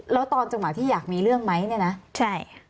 แล้วตอนจังหวะที่อยากมีเรื่องไหมเนี่ยนะใช่